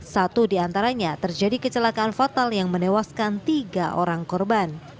satu di antaranya terjadi kecelakaan fatal yang menewaskan tiga orang korban